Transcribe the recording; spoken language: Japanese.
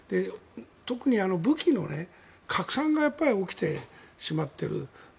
特に武器の拡散が起きてしまっている。